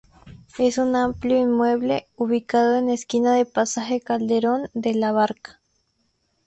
Es un amplio inmueble, ubicado en esquina de pasaje Calderón de la Barca.